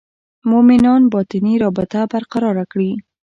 مومنان باطني رابطه برقراره کړي.